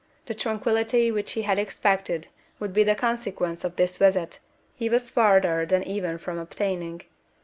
The tranquillity which he had expected would be the consequence of this visit, he was farther than ever from obtaining.